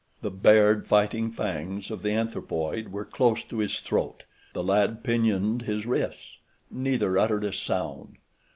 The bared fighting fangs of the anthropoid were close to his throat. The lad pinioned his wrists. Neither uttered a sound.